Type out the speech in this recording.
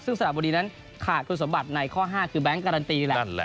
ซึ่งสระบุรีนั้นขาดคุณสมบัติในข้อ๕คือแก๊งการันตีแหละ